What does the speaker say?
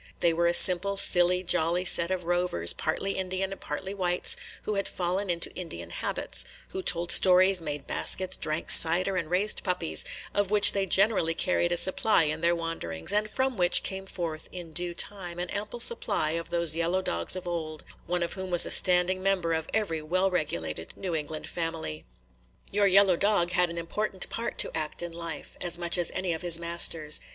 They were a simple, silly, jolly set of rovers, partly Indian and partly whites who had fallen into Indian habits, who told stories, made baskets, drank cider, and raised puppies, of which they generally carried a supply in their wanderings, and from which came forth in due time an ample supply of those yellow dogs of old, one of whom was a standing member of every well regulated New England family. Your yellow dog had an important part to act in life, as much as any of his masters.